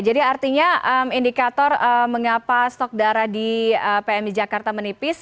artinya indikator mengapa stok darah di pmi jakarta menipis